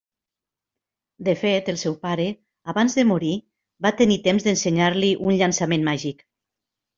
De fet, el seu pare, abans de morir, va tenir temps d'ensenyar-li un llançament màgic.